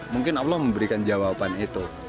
mungkin allah memberikan jawaban itu